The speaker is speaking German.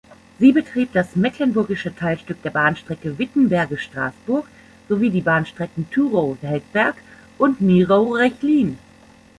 Sie betrieb das mecklenburgische Teilstück der Bahnstrecke Wittenberge–Strasburg sowie die Bahnstrecken Thurow–Feldberg und Mirow–Rechlin.